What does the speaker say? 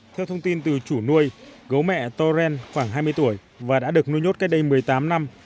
theo thông tin từ chủ nuôi gấu mẹ toren khoảng hai mươi tuổi và đã được nuôi nhốt cách đây một mươi tám năm